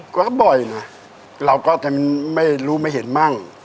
ก็บ่อยนะเราก็ไม่รู้ไม่เห็นมั่ง